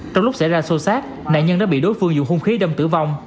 trong lúc xảy ra xô xát nạn nhân đã bị đối phương dùng hôn khí đâm tử vong